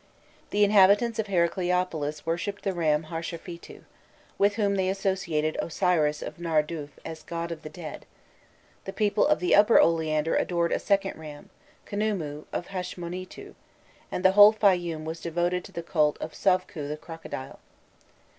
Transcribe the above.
The inhabitants of Heracleopolis worshipped the ram Harshafîtû, with whom they associated Osiris of Narûdûf as god of the dead; the people of the Upper Oleander adored a second ram, Khnûmû of Hâsmonîtû, and the whole Fayûm was devoted to the cult of Sovkû the crocodile.